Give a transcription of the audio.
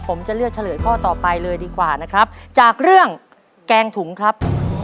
ผมจะเลือกเฉลยข้อต่อไปเลยดีกว่านะครับจากเรื่องแกงถุงครับ